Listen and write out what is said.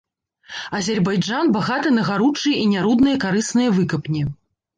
Азербайджан багаты на гаручыя і нярудныя карысныя выкапні.